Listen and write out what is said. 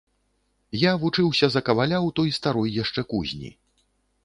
Я вучыўся за каваля ў той старой яшчэ кузні.